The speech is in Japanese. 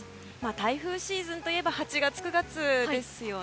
台風シーズンといえば８月、９月ですよね。